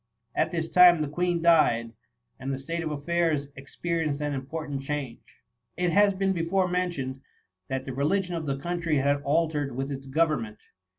At this time the Queen died, and the state of affairs expe rienced an important change. It has been before mentioned, that the reli gion of the country had altered with its go vernment.